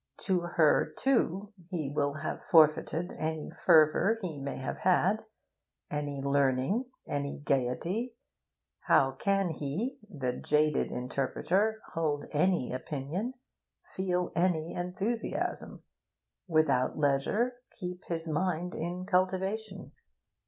To her, too, he will have forfeited any fervour he may have had, any learning, any gaiety. How can he, the jaded interpreter, hold any opinion, feel any enthusiasm? without leisure, keep his mind in cultivation?